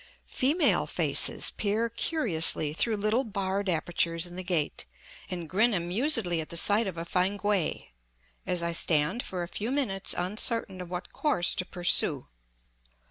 Female faces peer curiously through little barred apertures in the gate, and grin amusedly at the sight of a Fankwae, as I stand for a few minutes uncertain of what course to pursue.